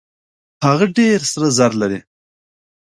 هغه ډېر سره زر لري.